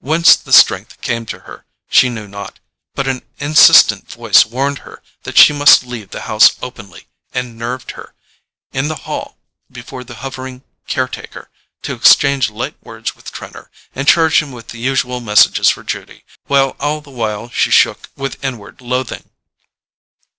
Whence the strength came to her she knew not; but an insistent voice warned her that she must leave the house openly, and nerved her, in the hall before the hovering care taker, to exchange light words with Trenor, and charge him with the usual messages for Judy, while all the while she shook with inward loathing.